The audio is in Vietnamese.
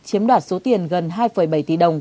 chiếm đoạt số tiền gần hai bảy tỷ đồng